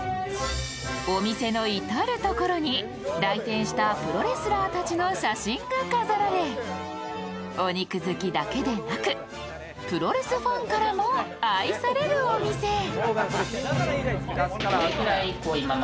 お店の至るところに来店したプロレスラーたちの写真が飾られお肉好きだけでなく、プロレスファンからも愛されるお店。